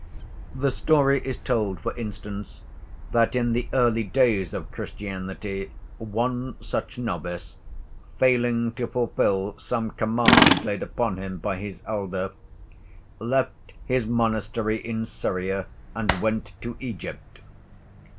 The story is told, for instance, that in the early days of Christianity one such novice, failing to fulfill some command laid upon him by his elder, left his monastery in Syria and went to Egypt.